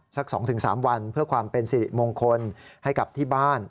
สัก๒๓วันเพื่อความเป็นสิริมงคลให้กับที่บ้าน